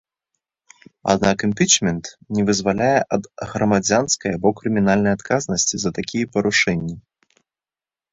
Аднак імпічмент не вызваляе ад грамадзянскай або крымінальнай адказнасці за такія парушэнні.